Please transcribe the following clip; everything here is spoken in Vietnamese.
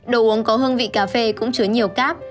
đồ uống có hương vị cà phê cũng chứa nhiều cáp